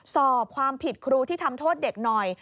สอบความผิดครูที่ทำโทษเด็กหน่อย